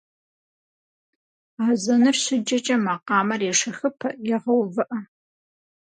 Азэныр щыджэкӏэ макъамэр ешэхыпэ е гъэувыӏэ.